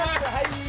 はい。